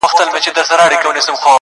له لمني یې د وینو زڼي پاڅي -